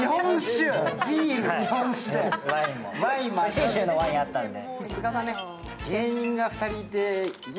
信州のワイン、あったんで。